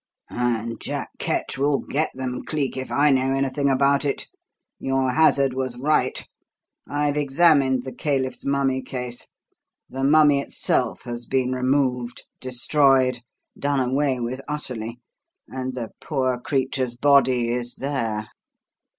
"And Jack Ketch will get them, Cleek, if I know anything about it. Your hazard was right. I've examined the caliph's mummy case; the mummy itself has been removed destroyed done away with utterly and the poor creature's body is there!"